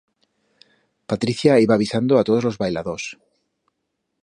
Patricia iba avisando a todos los bailadors.